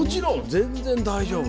全然大丈夫。